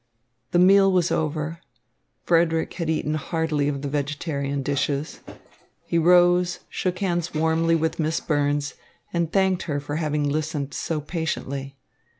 The meal was over. Frederick had eaten heartily of the vegetarian dishes. He rose, shook hands warmly with Miss Burns, and thanked her for having listened so patiently.